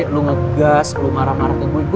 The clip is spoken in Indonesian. lu ngegas lu marah marah ke gue